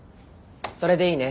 それでいいね。